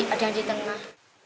ada yang di tengah